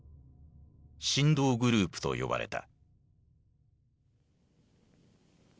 「神童グループ」と呼ばれた。